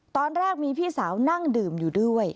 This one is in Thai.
ตอนแรกมีพี่สาวนั่งดื่มอยู่ด้วย